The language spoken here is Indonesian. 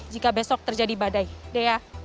jika besok terjadi badai dea